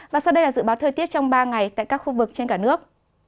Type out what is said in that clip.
và sau đây là dự báo thời tiết trong ba ngày tại các khu vực trên cả nước